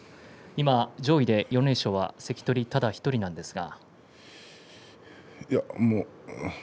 今、上位で４連勝は関取ただ１人なんですが。